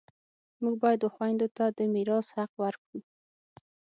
موږ باید و خویندو ته د میراث حق ورکړو